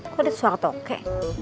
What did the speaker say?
kok ada suara toke